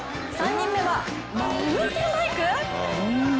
３人目はマウンテンバイク！？